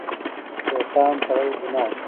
بهتان تړل ګناه ده